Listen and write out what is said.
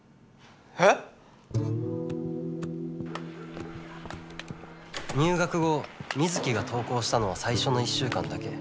えっ？入学後水城が登校したのは最初の１週間だけ。